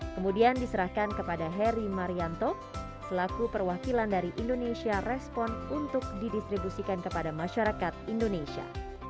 kemudian diserahkan kepada heri marianto selaku perwakilan dari indonesia respon untuk didistribusikan kepada masyarakat indonesia